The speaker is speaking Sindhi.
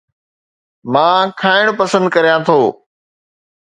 مان کائڻ پسند ڪريان ٿو